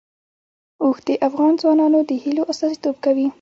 اوښ د افغان ځوانانو د هیلو استازیتوب کوي.